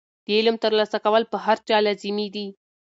د علم ترلاسه کول په هر چا لازمي دي.